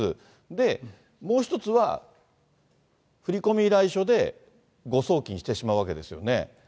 で、もう一つは、振り込み依頼書で誤送金してしまうわけですよね。